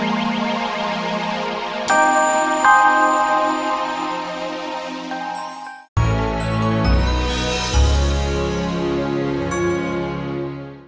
aku bakal curang aja